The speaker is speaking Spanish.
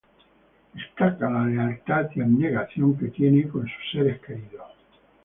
Destaca la lealtad y abnegación que tiene con sus seres queridos.